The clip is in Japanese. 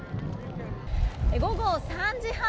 午後３時半。